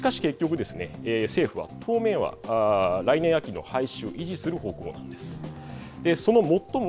しかし結局ですね、政府は当面は、来年秋の廃止を維持する方向です。